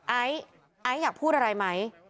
ไอซ์ไอซ์อยากพูดอะไรไหม